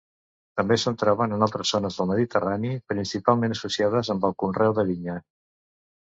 També se'n troben en altres zones del Mediterrani, principalment associades amb el conreu de vinya.